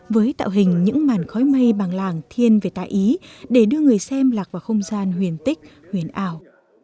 với tạo hình những màn khói mây bằng làng thiên về tại ý để đưa người xem lạc vào không gian huyền tích huyền ảo